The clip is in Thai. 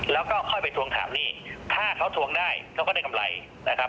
แล้วก็ค่อยไปทวงถามหนี้ถ้าเขาทวงได้เขาก็ได้กำไรนะครับ